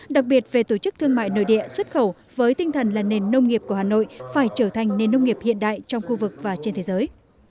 đặc biệt về tổ chức thương mại nơi địa xuất khẩu với tinh thần là nền nông nghiệp của hà nội phải trở thành nền nông nghiệp hiện đại trong khu vực và trên thế giới